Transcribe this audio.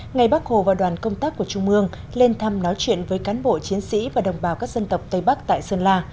ngày bác hồ và đoàn công tác của trung mương lên thăm nói chuyện với cán bộ chiến sĩ và đồng bào các dân tộc tây bắc tại sơn la